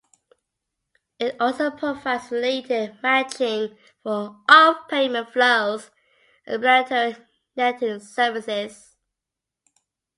It also provides related matching of payment flows and bilateral netting services.